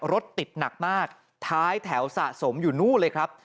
รถติดหนักมากท้ายแถวสะสมอยู่นู่นเลยครับ